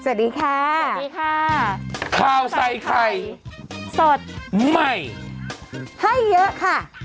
สวัสดีค่ะสวัสดีค่ะข้าวใส่ไข่สดใหม่ให้เยอะค่ะ